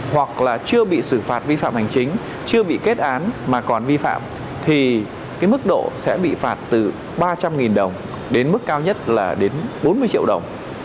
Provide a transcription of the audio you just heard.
hoặc là chưa bị xử phạt vi phạm hành chính chưa bị kết án mà còn vi phạm thì cái mức độ sẽ bị phạt từ ba trăm linh đồng đến mức cao nhất là đến bốn mươi triệu đồng